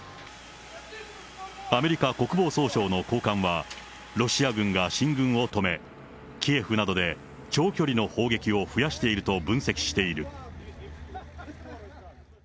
アメリカ国防総省の高官は、ロシア軍が進軍を止め、キエフなどで長距離の砲撃を増やしていると分析している。